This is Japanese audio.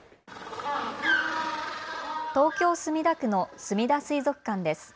東京墨田区のすみだ水族館です。